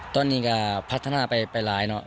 ตอนนี้น่าก็พัฒนาไปเป็นหลายเนาะ